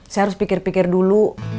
saya harus pikir pikir dulu